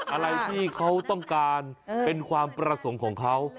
อะไรที่เขาต้องการเป็นความประสงค์ของเขา